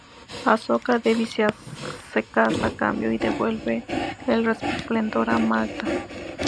Asoka Devi se casa a cambio y devuelve el esplendor a Magadha.